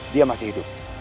dia masih hidup